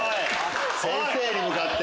先生に向かって。